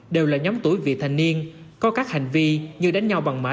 đều là nhóm tuổi vị thành niên có các hành vi như đánh nhau bằng mã